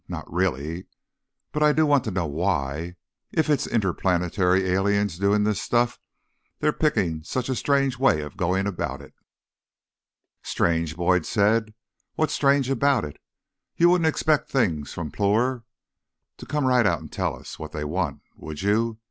Not really. But I do want to know why, if it's interplanetary aliens doing this stuff, they're picking such a strange way of going about it." "Strange?" Boyd said. "What's strange about it? You wouldn't expect Things from Ploor to come right out and tell us what they want, would you?